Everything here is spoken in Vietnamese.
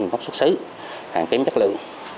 nguồn gốc xuất xứ hàng kém chất lượng